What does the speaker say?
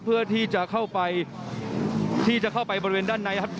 เพื่อที่จะเข้าไปที่จะเข้าไปบริเวณด้านในครับ